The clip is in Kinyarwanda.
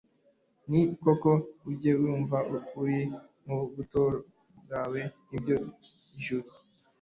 ni koko ujye wumva uri mu buturo bwawe ni bwo ijuru